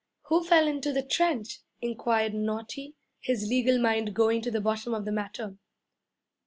'Who fell into the trench?' inquired Naughty, his legal mind going to the bottom of the matter.